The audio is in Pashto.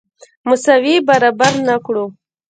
مساوي برابر نه کړو.